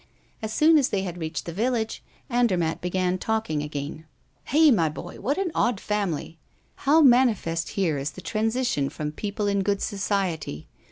As soon as they had reached the village, Andermatt began talking again. "Hey, my dear boy, what an odd family! How manifest here is the transition from people in good society.